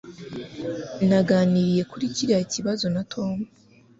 Naganiriye kuri kiriya kibazo na Tom.